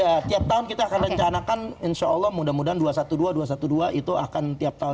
ya tiap tahun kita akan rencanakan insya allah mudah mudahan dua ratus dua belas dua ratus dua belas itu akan tiap tahun